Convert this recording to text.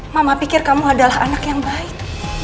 mama pikir kamu adalah anak yang baik